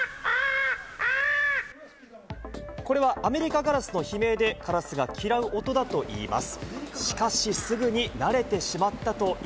これはアメリカガラスの悲鳴で、カラスが嫌う音だといいます。